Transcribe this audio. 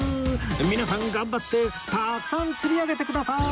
皆さん頑張ってたくさん釣り上げてください！